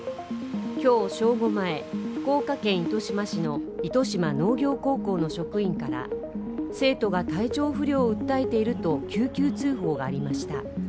今日正午前、福岡県糸島市の糸島農業高校の職員から職員から、生徒が体調不良を訴えていると救急通報がありました。